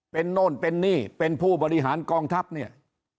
เป็นโน่นเป็นนี่เป็นผู้บริหารกองทัพเนี่ย